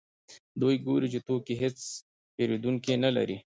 دوی ګوري چې توکي یې هېڅ پېرودونکي نلري